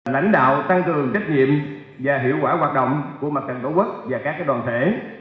lãnh đạo tăng cường trách nhiệm và hiệu quả hoạt động của mặt trận tổ quốc và các đoàn thể